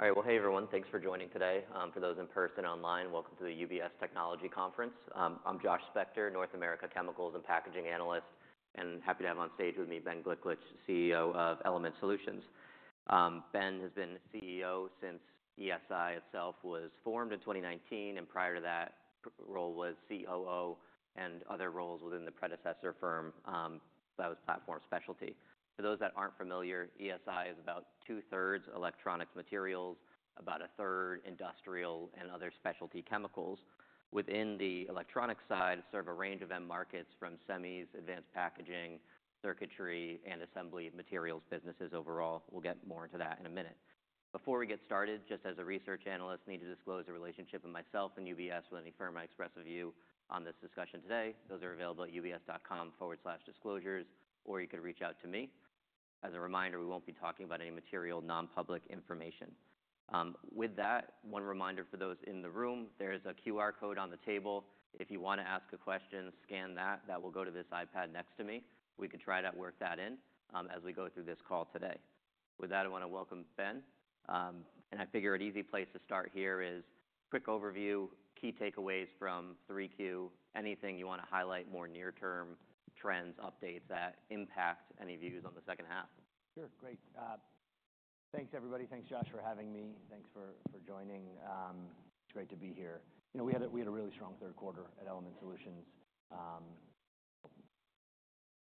All right. Well, hey, everyone. Thanks for joining today. For those in person and online, welcome to the UBS Technology Conference. I'm Josh Spector, North America Chemicals and Packaging Analyst, and happy to have on stage with me Ben Gliklich, CEO of Element Solutions. Ben has been CEO since ESI itself was formed in 2019, and prior to that, role was COO and other roles within the predecessor firm, that was Platform Specialty. For those that aren't familiar, ESI is about two-thirds electronics materials, about a third industrial and other specialty chemicals. Within the electronics side, serve a range of end markets from semis, advanced packaging, circuitry, and assembly materials businesses overall. We'll get more into that in a minute. Before we get started, just as a research analyst, need to disclose a relationship of myself and UBS with any firm I express a view on this discussion today. Those are available at UBS.com/disclosures, or you could reach out to me. As a reminder, we won't be talking about any material non-public information. With that, one reminder for those in the room, there is a QR code on the table. If you wanna ask a question, scan that. That will go to this iPad next to me. We can try to work that in, as we go through this call today. With that, I wanna welcome Ben. And I figure an easy place to start here is a quick overview, key takeaways from 3Q, anything you wanna highlight, more near-term trends, updates that impact any views on the second half. Sure. Great. Thanks, everybody. Thanks, Josh, for having me. Thanks for joining. It's great to be here. You know, we had a really strong third quarter at Element Solutions,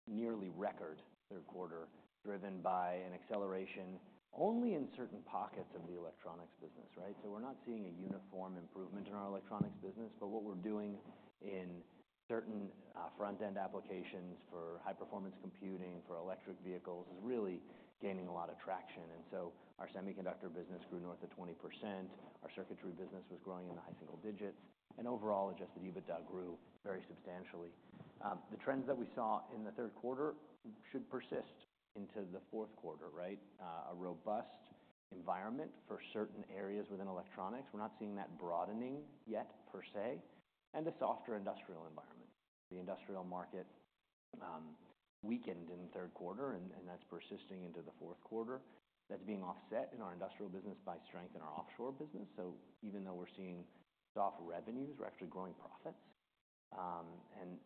nearly record third quarter, driven by an acceleration only in certain pockets of the electronics business, right? So we're not seeing a uniform improvement in our electronics business, but what we're doing in certain front-end applications for high-performance computing for electric vehicles is really gaining a lot of traction. And so our semiconductor business grew north of 20%. Our circuitry business was growing in the high single digits. And overall, Adjusted EBITDA grew very substantially. The trends that we saw in the third quarter should persist into the fourth quarter, right? A robust environment for certain areas within electronics. We're not seeing that broadening yet, per se, and a softer industrial environment. The industrial market weakened in the third quarter, and that's persisting into the fourth quarter. That's being offset in our industrial business by strength in our offshore business. So even though we're seeing soft revenues, we're actually growing profits, and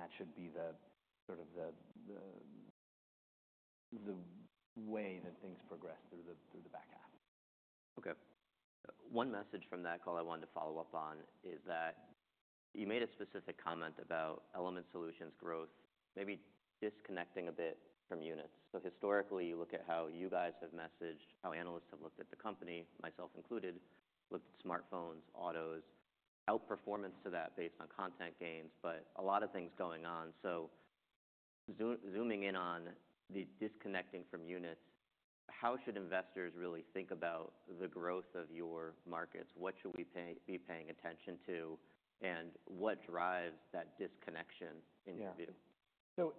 that should be the sort of way that things progress through the back half. Okay. One message from that call I wanted to follow up on is that you made a specific comment about Element Solutions growth, maybe disconnecting a bit from units. So historically, you look at how you guys have messaged, how analysts have looked at the company, myself included, looked at smartphones, autos, outperformance to that based on content gains, but a lot of things going on. So, zooming in on the disconnecting from units, how should investors really think about the growth of your markets? What should we be paying attention to, and what drives that disconnection in your view? Yeah. So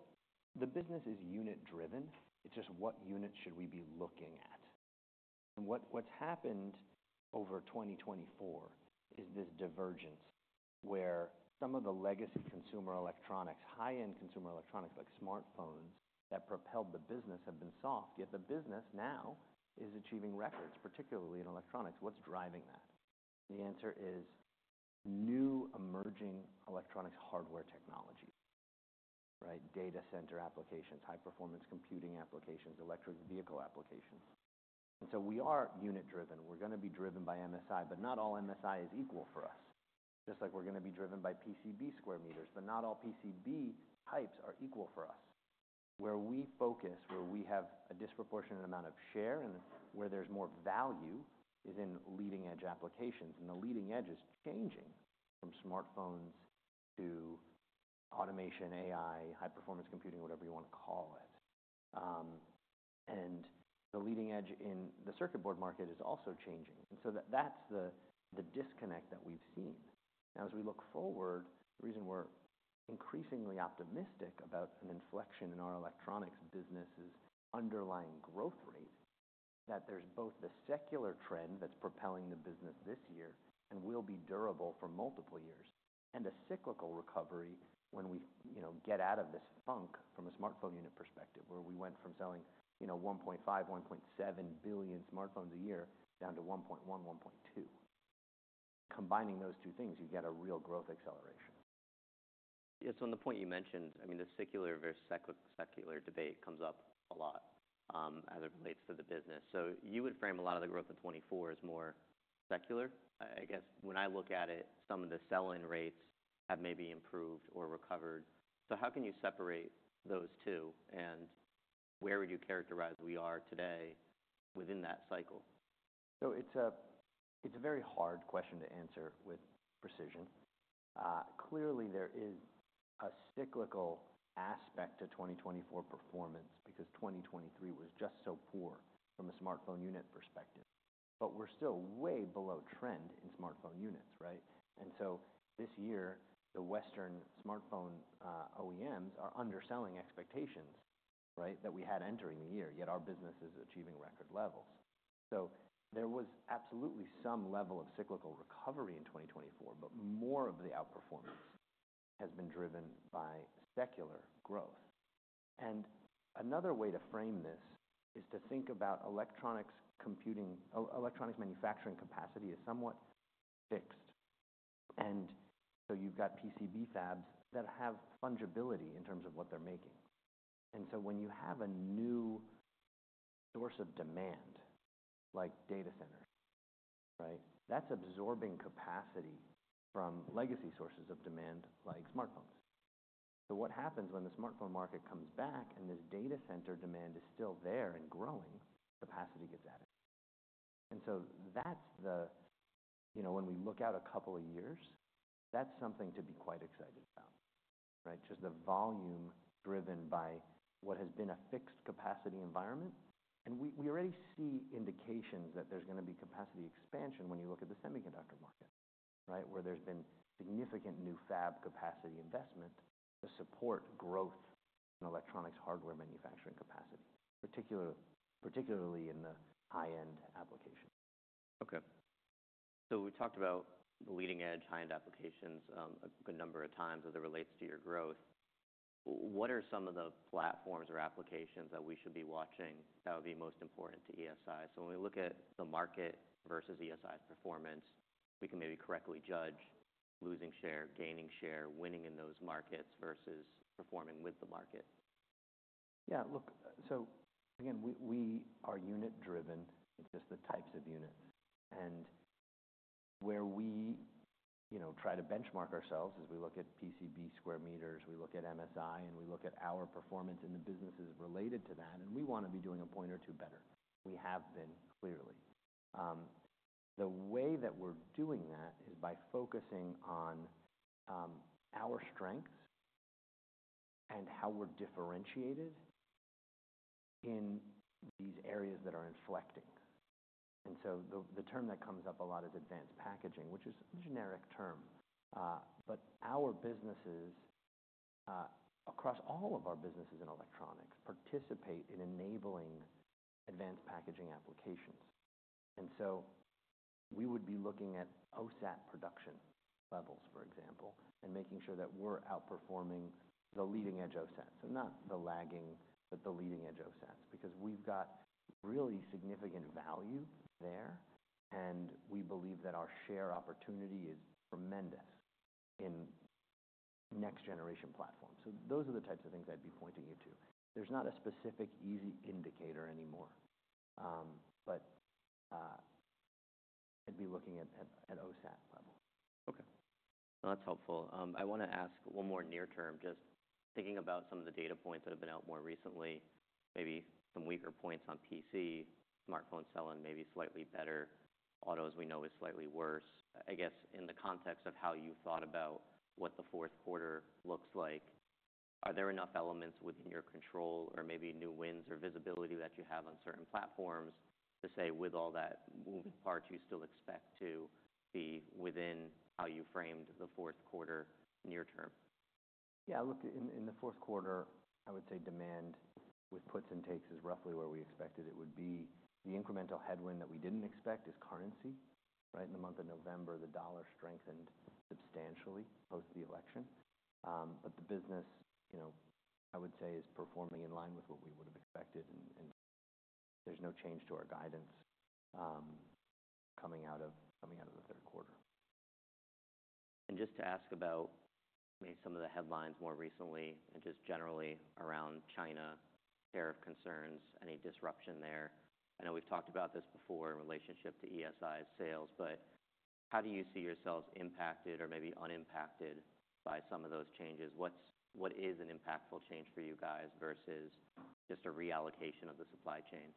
the business is unit-driven. It's just what unit should we be looking at? And what's happened over 2024 is this divergence where some of the legacy consumer electronics, high-end consumer electronics like smartphones that propelled the business have been soft, yet the business now is achieving records, particularly in electronics. What's driving that? The answer is new emerging electronics hardware technologies, right? Data center applications, high-performance computing applications, and electric vehicle applications. And so we are unit-driven. We're gonna be driven by MSI, but not all MSI is equal for us. Just like we're gonna be driven by PCB square meters, but not all PCB types are equal for us. Where we focus, where we have a disproportionate amount of share, and where there's more value, is in leading-edge applications. And the leading edge is changing from smartphones to automation, AI, high-performance computing, whatever you wanna call it. And the leading edge in the circuit board market is also changing. And so that's the disconnect that we've seen. Now, as we look forward, the reason we're increasingly optimistic about an inflection in our electronics business is underlying growth rate, that there's both the secular trend that's propelling the business this year and will be durable for multiple years, and a cyclical recovery when we, you know, get out of this funk from a smartphone unit perspective, where we went from selling, you know, 1.5 billion-1.7 billion smartphones a year down to 1.1-1.2. Combining those two things, you get a real growth acceleration. Yeah. So on the point you mentioned, I mean, the secular versus secular debate comes up a lot, as it relates to the business. So you would frame a lot of the growth of 2024 as more secular. I, I guess when I look at it, some of the sell-in rates have maybe improved or recovered. So how can you separate those two, and where would you characterize we are today within that cycle? So it's a very hard question to answer with precision. Clearly, there is a cyclical aspect to 2024 performance because 2023 was just so poor from a smartphone unit perspective. But we're still way below trend in smartphone units, right? And so this year, the Western smartphone OEMs are underselling expectations, right, that we had entering the year, yet our business is achieving record levels. So there was absolutely some level of cyclical recovery in 2024, but more of the outperformance has been driven by secular growth. And another way to frame this is to think about electronics computing; electronics manufacturing capacity is somewhat fixed. And so you've got PCB fabs that have fungibility in terms of what they're making. And so when you have a new source of demand, like data centers, right, that's absorbing capacity from legacy sources of demand like smartphones. So what happens when the smartphone market comes back and this data center demand is still there and growing, capacity gets added. And so that's the, you know, when we look out a couple of years, that's something to be quite excited about, right? Just the volume driven by what has been a fixed capacity environment. And we already see indications that there's gonna be capacity expansion when you look at the semiconductor market, right, where there's been significant new fab capacity investment to support growth in electronics hardware manufacturing capacity, particularly in the high-end applications. Okay. So we talked about the leading-edge high-end applications, a good number of times as it relates to your growth. What are some of the platforms or applications that we should be watching that would be most important to ESI? So when we look at the market versus ESI's performance, we can maybe correctly judge losing share, gaining share, winning in those markets versus performing with the market. Yeah. Look, so again, we are unit-driven. It's just the types of units. And where we, you know, try to benchmark ourselves is we look at PCB square meters, we look at MSI, and we look at our performance in the businesses related to that, and we wanna be doing a point or two better. We have been, clearly. The way that we're doing that is by focusing on our strengths and how we're differentiated in these areas that are inflecting. And so the term that comes up a lot is advanced packaging, which is a generic term. But our businesses, across all of our businesses in electronics, participate in enabling advanced packaging applications. And so we would be looking at OSAT production levels, for example, and making sure that we're outperforming the leading-edge OSATs. So not the lagging, but the leading-edge OSATs because we've got really significant value there, and we believe that our share opportunity is tremendous in next-generation platforms. So those are the types of things I'd be pointing you to. There's not a specific easy indicator anymore, but I'd be looking at OSAT level. Okay. Well, that's helpful. I wanna ask one more near-term, just thinking about some of the data points that have been out more recently, maybe some weaker points on PC, smartphone sell-in maybe slightly better, autos we know is slightly worse. I guess in the context of how you thought about what the fourth quarter looks like, are there enough elements within your control, or maybe new wins or visibility that you have on certain platforms, to say, with all that moving parts, you still expect to be within how you framed the fourth quarter near-term? Yeah. Look, in the fourth quarter, I would say demand with puts and takes is roughly where we expected it would be. The incremental headwind that we didn't expect is currency, right? In the month of November, the dollar strengthened substantially post the election. But the business, you know, I would say is performing in line with what we would've expected, and there's no change to our guidance, coming out of the third quarter. And just to ask about maybe some of the headlines more recently and just generally around China, sheer concerns, any disruption there? I know we've talked about this before in relationship to ESI sales, but how do you see yourselves impacted or maybe unimpacted by some of those changes? What is an impactful change for you guys versus just a reallocation of the supply chain?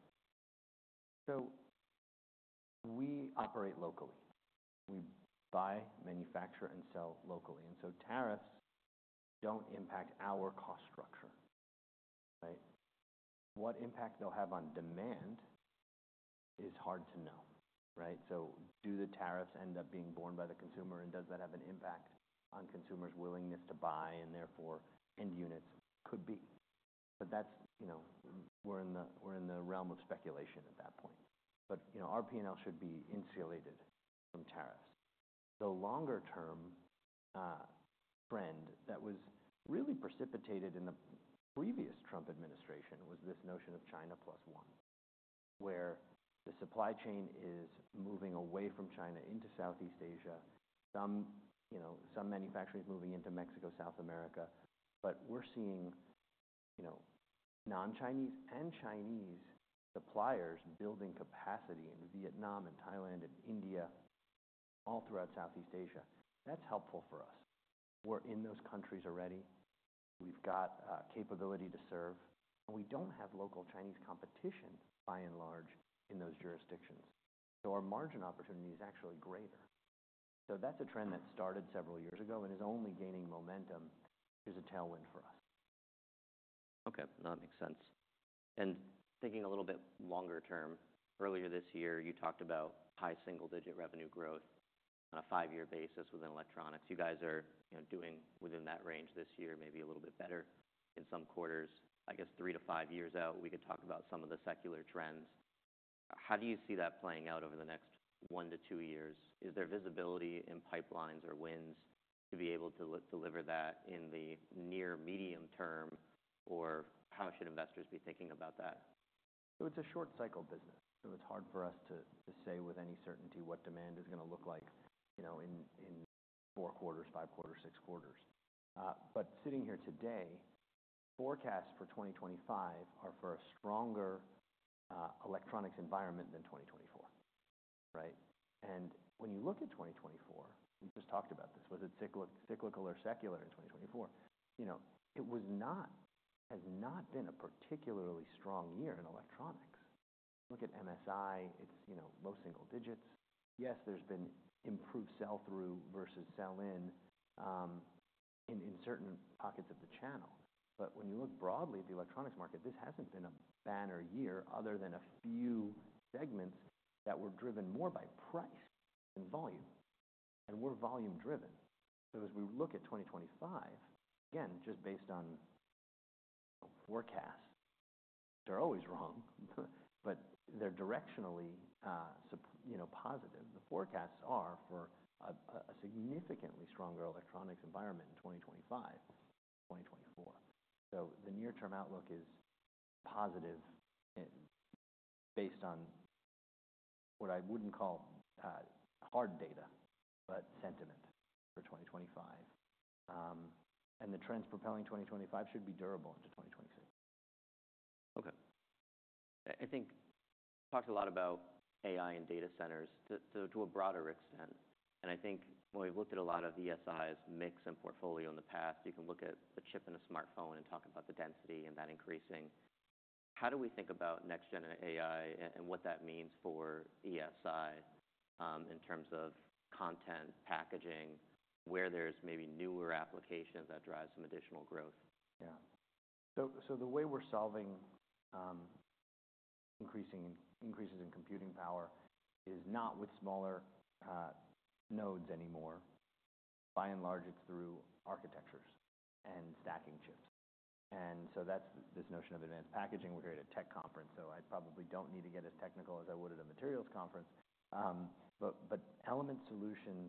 So we operate locally. We buy, manufacture, and sell locally. And so tariffs don't impact our cost structure, right? What impact they'll have on demand is hard to know, right? So do the tariffs end up being borne by the consumer, and does that have an impact on consumers' willingness to buy, and therefore end units could be? But that's, you know, we're in the realm of speculation at that point. But, you know, our P&L should be insulated from tariffs. The longer-term trend that was really precipitated in the previous Trump administration was this notion of China plus one, where the supply chain is moving away from China into Southeast Asia, some, you know, some manufacturing's moving into Mexico, South America. But we're seeing, you know, non-Chinese and Chinese suppliers building capacity in Vietnam, and Thailand, and India all throughout Southeast Asia. That's helpful for us. We're in those countries already. We've got capability to serve, and we don't have local Chinese competition, by and large, in those jurisdictions, so our margin opportunity is actually greater, so that's a trend that started several years ago and is only gaining momentum. There's a tailwind for us. Okay. That makes sense, and thinking a little bit longer-term, earlier this year, you talked about high single-digit revenue growth on a five-year basis within electronics. You guys are, you know, doing within that range this year, maybe a little bit better in some quarters. I guess three to five years out, we could talk about some of the secular trends. How do you see that playing out over the next one to two years? Is there visibility in pipelines or wins to be able to deliver that in the near-medium term, or how should investors be thinking about that? So it's a short-cycle business. So it's hard for us to say with any certainty what demand is gonna look like, you know, in four quarters, five quarters, six quarters. But sitting here today, forecasts for 2025 are for a stronger electronics environment than 2024, right? And when you look at 2024, we just talked about this. Was it cyclic, cyclical, or secular in 2024? You know, it has not been a particularly strong year in electronics. Look at MSI. It's, you know, low single digits. Yes, there's been improved sell-through versus sell-in in certain pockets of the channel. But when you look broadly at the electronics market, this hasn't been a banner year other than a few segments that were driven more by price than volume. And we're volume-driven. So as we look at 2025, again, just based on, you know, forecasts, which are always wrong, but they're directionally super, you know, positive. The forecasts are for a significantly stronger electronics environment in 2025, 2024, so the near-term outlook is positive, based on what I wouldn't call hard data, but sentiment for 2025, and the trends propelling 2025 should be durable into 2026. Okay. I think we've talked a lot about AI and data centers to a broader extent, and I think when we've looked at a lot of ESI's mix and portfolio in the past, you can look at a chip and a smartphone and talk about the density and that increasing. How do we think about next-gen AI and what that means for ESI, in terms of content packaging, where there's maybe newer applications that drive some additional growth? Yeah. So the way we're solving increasing increases in computing power is not with smaller nodes anymore. By and large, it's through architectures and stacking chips, and so that's this notion of advanced packaging. We're here at a tech conference, so I probably don't need to get as technical as I would at a materials conference, but Element Solutions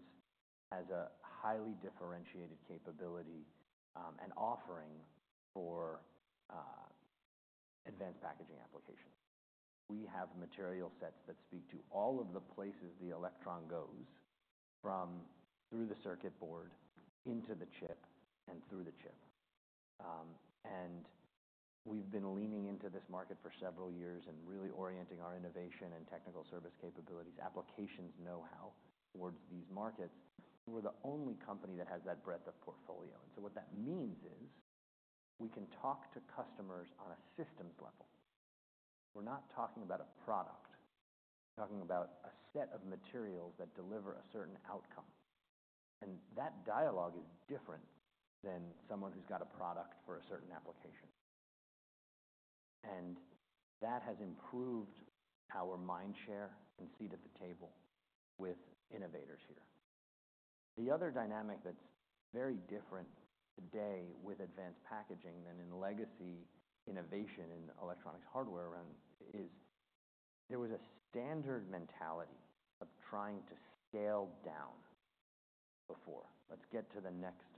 has a highly differentiated capability and offering for advanced packaging applications. We have material sets that speak to all of the places the electron goes from through the circuit board into the chip and through the chip, and we've been leaning into this market for several years and really orienting our innovation and technical service capabilities, applications know-how towards these markets. We're the only company that has that breadth of portfolio, and so what that means is we can talk to customers on a systems level. We're not talking about a product. We're talking about a set of materials that deliver a certain outcome. And that dialogue is different than someone who's got a product for a certain application. And that has improved our mind share and seat at the table with innovators here. The other dynamic that's very different today with advanced packaging than in legacy innovation in electronics hardware. Around it, there was a standard mentality of trying to scale down before. Let's get to the next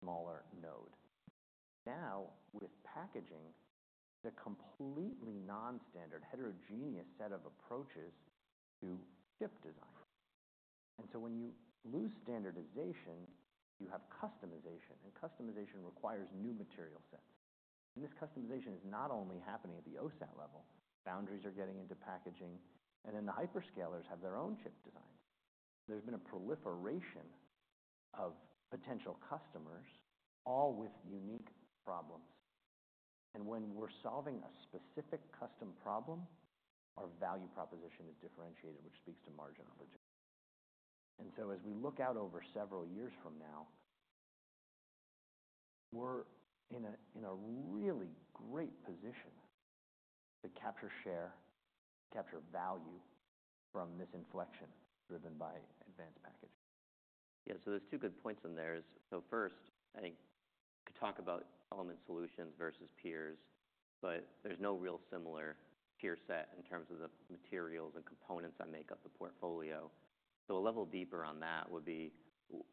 smaller node. Now, with packaging, it's a completely non-standard, heterogeneous set of approaches to chip design. And so when you lose standardization, you have customization. And customization requires new material sets. And this customization is not only happening at the OSAT level. Boundaries are getting into packaging. And then the hyperscalers have their own chip designs. There's been a proliferation of potential customers, all with unique problems. When we're solving a specific custom problem, our value proposition is differentiated, which speaks to margin opportunity. So as we look out over several years from now, we're in a really great position to capture share, capture value from this inflection driven by advanced packaging. Yeah. So there's two good points in there. So first, I think we could talk about Element Solutions versus peers, but there's no real similar peer set in terms of the materials and components that make up the portfolio. So a level deeper on that would be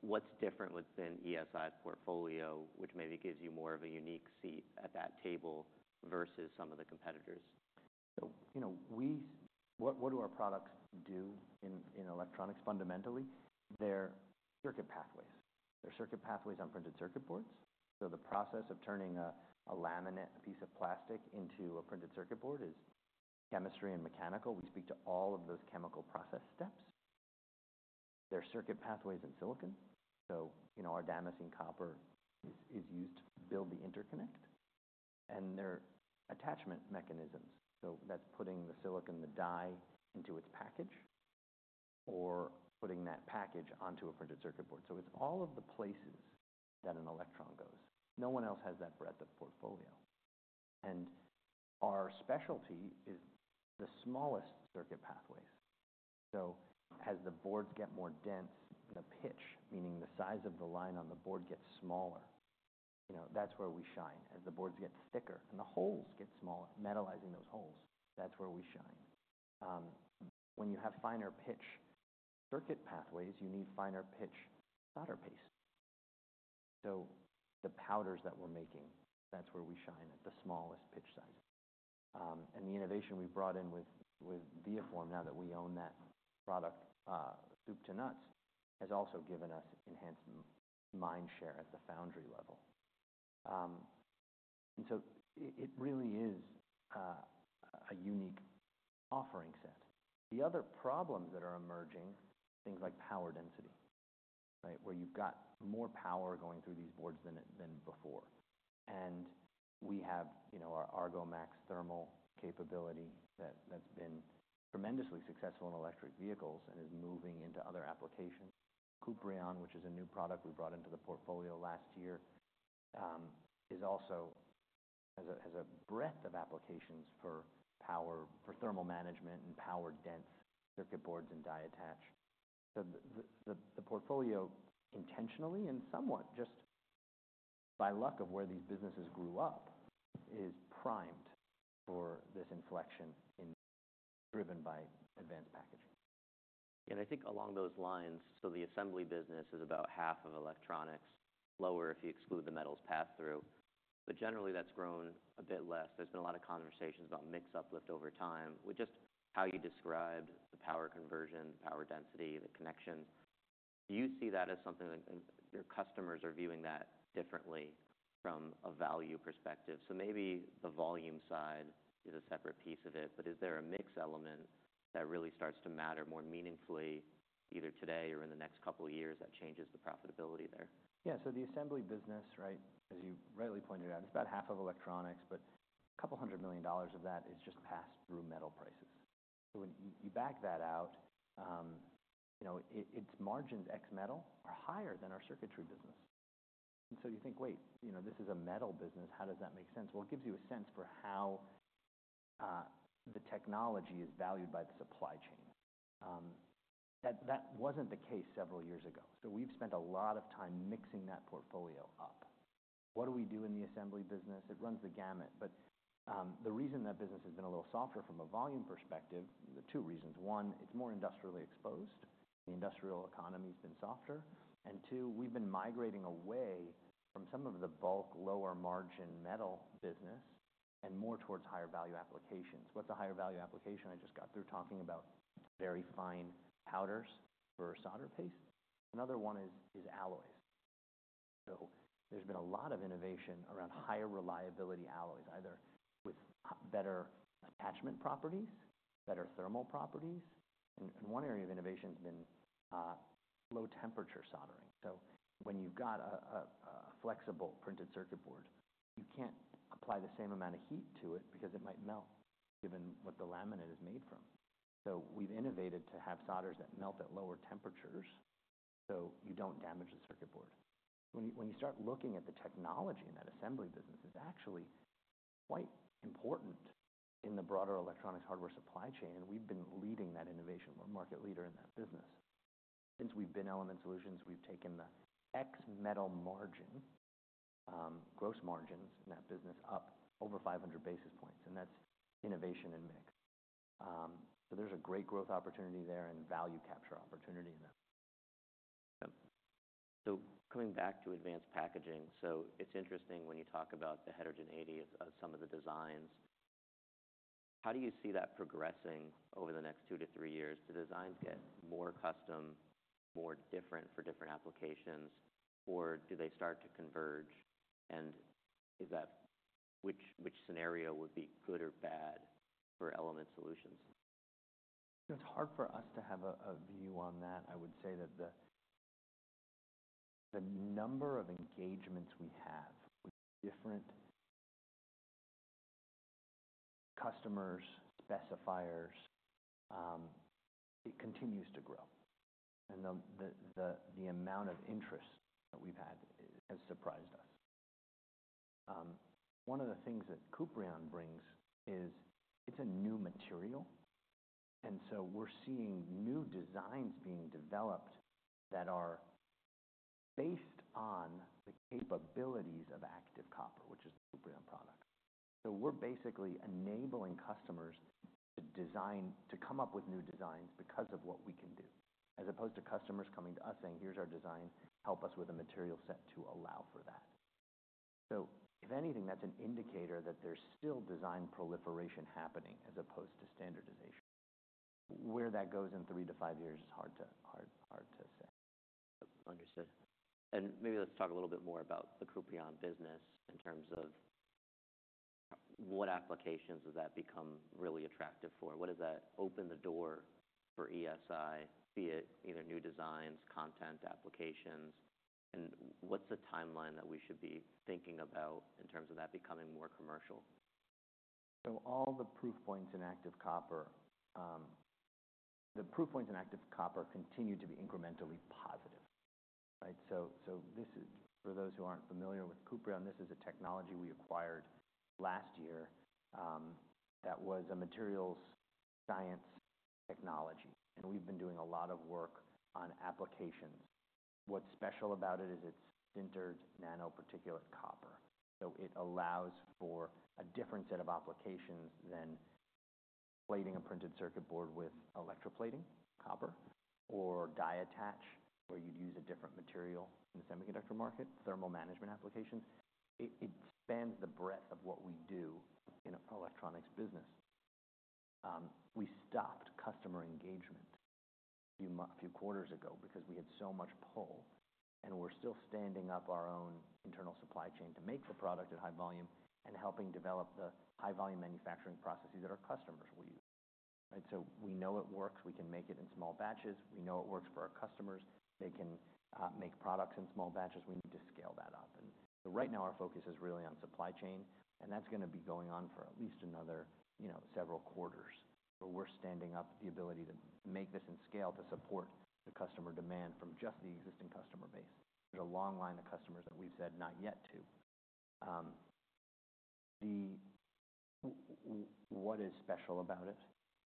what's different within ESI's portfolio, which maybe gives you more of a unique seat at that table versus some of the competitors. So, you know, what do our products do in electronics fundamentally? They're circuit pathways. They're circuit pathways on printed circuit boards. So the process of turning a laminate, a piece of plastic, into a printed circuit board is chemistry and mechanical. We speak to all of those chemical process steps. They're circuit pathways in silicon. So, you know, our damascene copper is used to build the interconnect. And they're attachment mechanisms. So that's putting the silicon, the die, into its package or putting that package onto a printed circuit board. So it's all of the places that an electron goes. No one else has that breadth of portfolio. And our specialty is the smallest circuit pathways. So as the boards get more dense, the pitch, meaning the size of the line on the board, gets smaller. You know, that's where we shine. As the boards get thicker and the holes get smaller, metallizing those holes, that's where we shine. When you have finer pitch circuit pathways, you need finer pitch solder paste, so the powders that we're making, that's where we shine at the smallest pitch sizes and the innovation we've brought in with ViaForm, now that we own that product, soup to nuts, has also given us enhanced mind share at the foundry level and so it really is a unique offering set. The other problems that are emerging, things like power density, right, where you've got more power going through these boards than it than before, and we have, you know, our Argomax thermal capability that that's been tremendously successful in electric vehicles and is moving into other applications. Kuprion, which is a new product we brought into the portfolio last year, also has a breadth of applications for power, for thermal management and power-dense circuit boards and die attach. So the portfolio intentionally and somewhat just by luck of where these businesses grew up is primed for this inflection driven by advanced packaging. I think along those lines. The assembly business is about half of electronics, lower if you exclude the metals pass-through. Generally, that's grown a bit less. There's been a lot of conversations about mix-uplift over time, which just how you described the power conversion, the power density, the connections. Do you see that as something that your customers are viewing that differently from a value perspective? The volume side is a separate piece of it, but is there a mix element that really starts to matter more meaningfully either today or in the next couple of years that changes the profitability there? Yeah, so the assembly business, right, as you rightly pointed out, it's about half of electronics, but $200 million of that is just pass-through metal prices. So when you back that out, you know, it's margins ex-metal are higher than our circuitry business. And so you think, "Wait, you know, this is a metal business. How does that make sense?" Well, it gives you a sense for how the technology is valued by the supply chain. That wasn't the case several years ago. So we've spent a lot of time mixing that portfolio up. What do we do in the assembly business? It runs the gamut. But the reason that business has been a little softer from a volume perspective, the two reasons. One, it's more industrially exposed. The industrial economy's been softer. Two, we've been migrating away from some of the bulk lower-margin metal business and more towards higher-value applications. What's a higher-value application? I just got through talking about very fine powders for solder paste. Another one is alloys. So there's been a lot of innovation around higher reliability alloys, either with better attachment properties, or better thermal properties. One area of innovation's been low-temperature soldering. So when you've got a flexible printed circuit board, you can't apply the same amount of heat to it because it might melt, given what the laminate is made from. So we've innovated to have solders that melt at lower temperatures, so you don't damage the circuit board. When you start looking at the technology in that assembly business, it's actually quite important in the broader electronics hardware supply chain. We've been leading that innovation. We're a market leader in that business. Since we've been with Element Solutions, we've taken the ex-metal margin, gross margins in that business up over 500 basis points. And that's innovation and mix. So there's a great growth opportunity there and value capture opportunity in that. Yeah, so coming back to advanced packaging, so it's interesting when you talk about the heterogeneity of some of the designs. How do you see that progressing over the next two to three years? Do designs get more custom, more different for different applications, or do they start to converge? And which scenario would be good or bad for Element Solutions? You know, it's hard for us to have a view on that. I would say that the number of engagements we have with different customers, and specifiers, it continues to grow. And the amount of interest that we've had has surprised us. One of the things that Kuprion brings is it's a new material. And so we're seeing new designs being developed that are based on the capabilities of active copper, which is the Kuprion product. So we're basically enabling customers to design to come up with new designs because of what we can do, as opposed to customers coming to us saying, "Here's our design. Help us with a material set to allow for that." So if anything, that's an indicator that there's still design proliferation happening as opposed to standardization. Where that goes in three to five years is hard to say. Yep. Understood. And maybe let's talk a little bit more about the Kuprion business in terms of what applications does that become really attractive for? What does that open the door for ESI, be it either new designs, content applications? And what's the timeline that we should be thinking about in terms of that becoming more commercial? So all the proof points in active copper continue to be incrementally positive, right? So this is for those who aren't familiar with Kuprion. This is a technology we acquired last year that was a materials science technology. And we've been doing a lot of work on applications. What's special about it is it's sintered nanoparticulate copper. So it allows for a different set of applications than plating a printed circuit board with electroplating copper or die attach, where you'd use a different material in the semiconductor market, thermal management applications. It spans the breadth of what we do in electronics business. We stopped customer engagement a few months, a few quarters ago because we had so much pull. We're still standing up our own internal supply chain to make the product at high volume and helping develop the high-volume manufacturing processes that our customers will use, right? We know it works. We can make it in small batches. We know it works for our customers. They can make products in small batches. We need to scale that up. Right now, our focus is really on supply chain. That's gonna be going on for at least another, you know, several quarters. We're standing up the ability to make this in scale to support the customer demand from just the existing customer base. There's a long line of customers that we've said not yet to. What is special about it?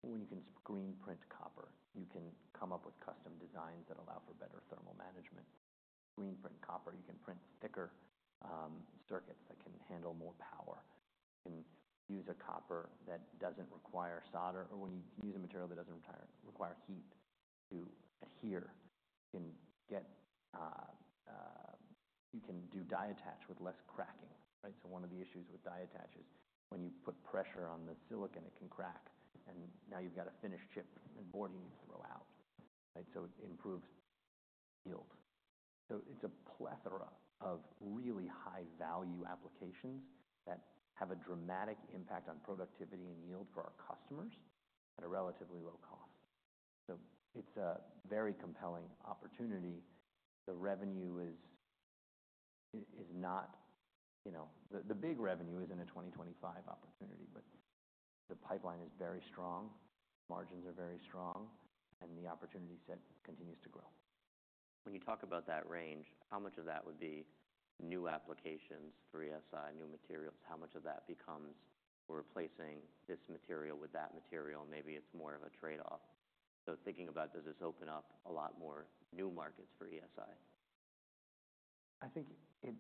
When you can screen print copper, you can come up with custom designs that allow for better thermal management. Screen print copper. You can print thicker circuits that can handle more power. You can use a copper that doesn't require solder, or when you use a material that doesn't require heat to adhere, you can do die attach with less cracking, right? So one of the issues with die attach is when you put pressure on the silicon, it can crack. And now you've got a finished chip and board you need to throw out, right? So it improves yield. So it's a plethora of really high-value applications that have a dramatic impact on productivity and yield for our customers at a relatively low cost. So it's a very compelling opportunity. The revenue is not, you know, the big revenue isn't a 2025 opportunity, but the pipeline is very strong. Margins are very strong. And the opportunity set continues to grow. When you talk about that range, how much of that would be new applications for ESI, new materials? How much of that becomes, "We're replacing this material with that material"? Maybe it's more of a trade-off. So thinking about, does this open up a lot more new markets for ESI? I think it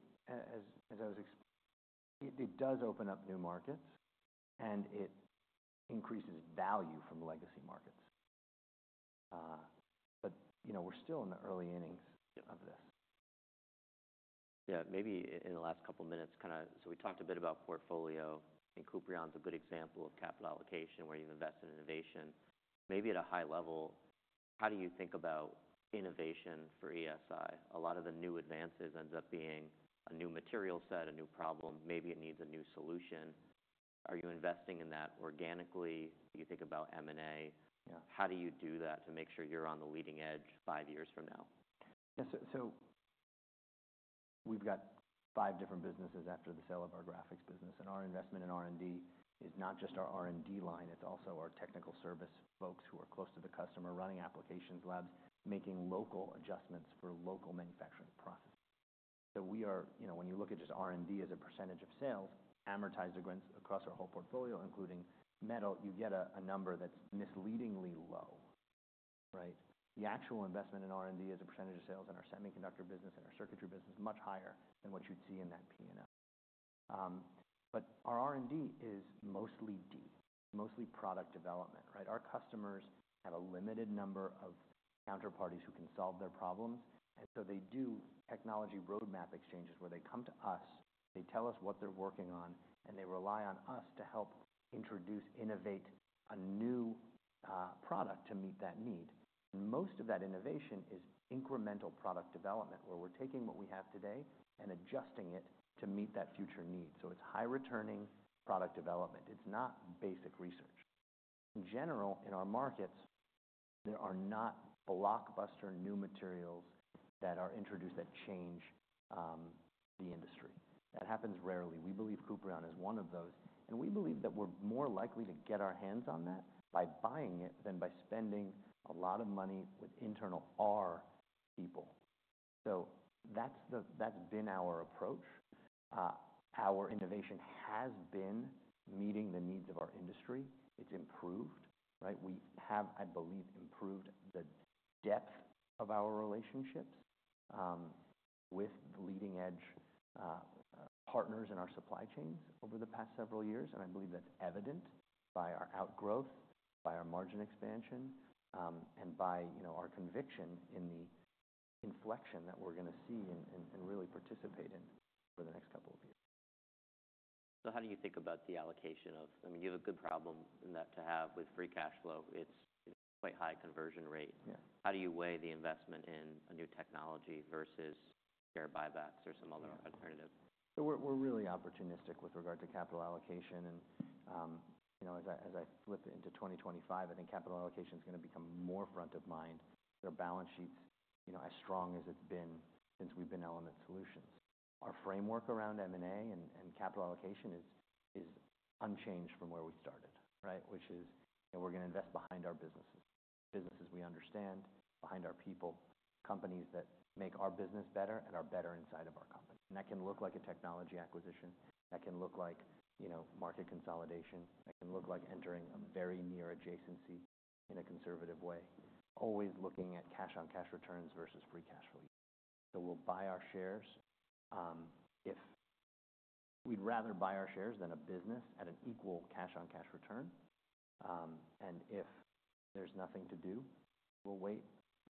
does open up new markets, and it increases value from legacy markets. But you know, we're still in the early innings of this. Yeah. Maybe in the last couple of minutes, kinda so we talked a bit about portfolio, and Kuprion's a good example of capital allocation where you invest in innovation. Maybe at a high level, how do you think about innovation for ESI? A lot of the new advances ends up being a new material set, a new problem. Maybe it needs a new solution. Are you investing in that organically? You think about M&A. Yeah. How do you do that to make sure you're on the leading edge five years from now? Yeah. So, so we've got five different businesses after the sale of our graphics business. And our investment in R&D is not just our R&D line. It's also our technical service folks who are close to the customer, running applications, labs, making local adjustments for local manufacturing processes. So we are, you know, when you look at just R&D as a percentage of sales, amortized against across our whole portfolio, including metal, you get a, a number that's misleadingly low, right? The actual investment in R&D as a percentage of sales in our semiconductor business and our circuitry business is much higher than what you'd see in that P&L. But our R&D is mostly D. It's mostly product development, right? Our customers have a limited number of counterparties who can solve their problems. And so they do technology roadmap exchanges where they come to us, they tell us what they're working on, and they rely on us to help introduce, innovate a new product to meet that need. And most of that innovation is incremental product development, where we're taking what we have today and adjusting it to meet that future need. So it's high-returning product development. It's not basic research. In general, in our markets, there are not blockbuster new materials that are introduced that change the industry. That happens rarely. We believe Kuprion is one of those. And we believe that we're more likely to get our hands on that by buying it than by spending a lot of money with internal R&D people. So that's been our approach. Our innovation has been meeting the needs of our industry. It's improved, right? We have, I believe, improved the depth of our relationships with the leading-edge partners in our supply chains over the past several years, and I believe that's evident by our outgrowth, by our margin expansion, and by, you know, our conviction in the inflection that we're gonna see and, and, and really participate in over the next couple of years. So, how do you think about the allocation of, I mean, you have a good problem in that to have with free cash flow. It's quite a high conversion rate. Yeah. How do you weigh the investment in a new technology versus share buybacks or some other alternative? We're really opportunistic with regard to capital allocation. You know, as I flip it into 2025, I think capital allocation's gonna become more front of mind. The balance sheet, you know, as strong as it's been since we've been Element Solutions. Our framework around M&A and capital allocation is unchanged from where we started, right? Which is, you know, we're gonna invest behind our businesses we understand, behind our people, companies that make our business better and are better inside of our company. That can look like a technology acquisition. That can look like, you know, market consolidation. That can look like entering a very near adjacency in a conservative way, always looking at cash-on-cash returns versus free cash flow. We'll buy our shares, if we'd rather buy our shares than a business at an equal cash-on-cash return. And if there's nothing to do, we'll wait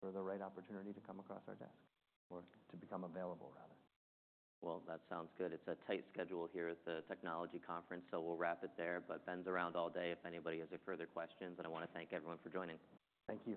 for the right opportunity to come across our desk or to become available, rather. That sounds good. It's a tight schedule here at the technology conference, so we'll wrap it there. Ben's around all day if anybody has further questions. I wanna thank everyone for joining. Thank you.